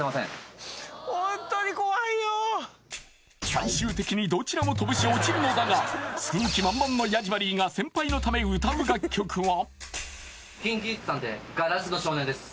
最終的にどちらも飛ぶし落ちるのだが救う気満々のヤジマリー。が先輩のため歌う楽曲は？